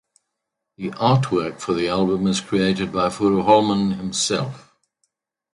The artwork for the album is created by Furuholmen himself.